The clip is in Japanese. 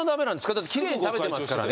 だってきれいに食べてますからね